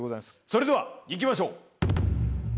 それでは行きましょう。